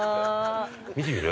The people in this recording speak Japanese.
見てみる？